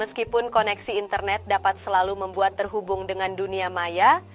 meskipun koneksi internet dapat selalu membuat terhubung dengan dunia maya